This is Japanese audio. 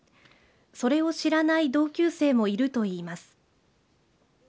それを知らない同級生もいるといいます。